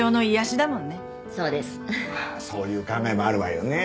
そういう考えもあるわよね。